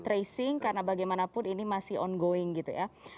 tracing karena bagaimanapun ini masih on going gitu ya